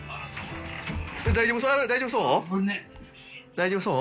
大丈夫そう？